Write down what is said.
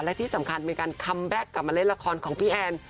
และที่สำคัญมีการคัมแบ็คกลับมาเล่นละครของพี่แอน